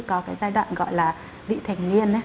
có giai đoạn gọi là vị thành niên